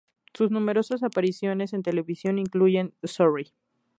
Sus numerosas apariciones en televisión incluyen "Sorry!